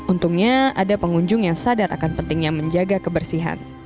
untungnya ada pengunjung yang sadar akan pentingnya menjaga kebersihan